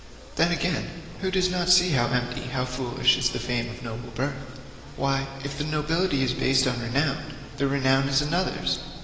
'Then, again, who does not see how empty, how foolish, is the fame of noble birth? Why, if the nobility is based on renown, the renown is another's!